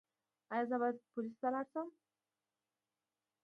ایا زه باید پولیسو ته لاړ شم؟